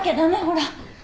ほら。